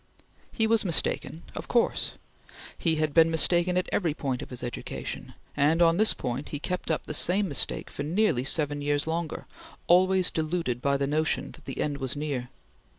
He was mistaken of course! He had been mistaken at every point of his education, and, on this point, he kept up the same mistake for nearly seven years longer, always deluded by the notion that the end was near.